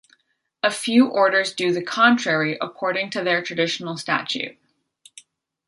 A few orders do the contrary, according to their traditional statute.